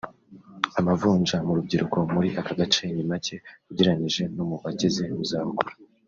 Amavunja mu rubyiruko muri aka gace ni make ugereranyije no mu bageze mu za bukuru